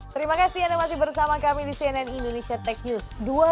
terima kasih anda masih bersama kami di cnn indonesia tech news